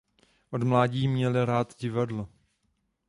Od mládí měl rád divadlo.